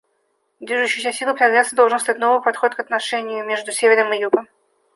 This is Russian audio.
Движущей силой прогресса должен стать новый подход к отношениям между Севером и Югом.